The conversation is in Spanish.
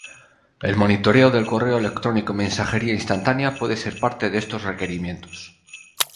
El monitoreo del correo electrónico y mensajería instantánea puede ser parte de estos requerimientos.